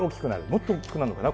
もっと大きくなるのかな。